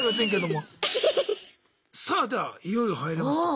さあではいよいよ入れますと。